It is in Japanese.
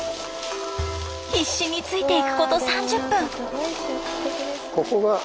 必死についていくこと３０分。